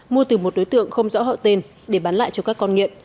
mua từ một đối tượng không rõ hậu tên để bán lại cho các con nghiện